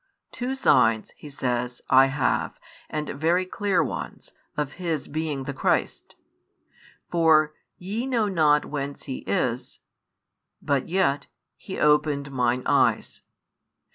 Two signs, he says, I have, and very clear ones, of His being the Christ. For ye know not whence He is, but yet He opened mine eyes.